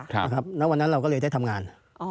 แล้ววันนั้นเราก็เลยได้ทำงาน